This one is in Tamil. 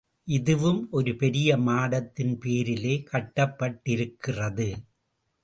இதுவும் ஒரு பெரிய மாடத்தின் பேரிலே கட்டப்பட்டிருக்கிறது.